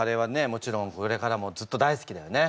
もちろんこれからもずっと大好きだよね？